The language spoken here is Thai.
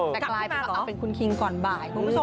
แต่กลายเป็นคุณคิงก่อนบ่าย